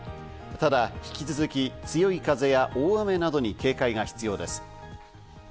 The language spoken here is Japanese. ただ、引き続き強い風や大雨などに警戒が必要です。